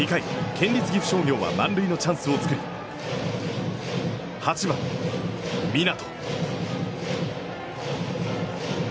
県立岐阜商業は満塁のチャンスを作り、８番湊。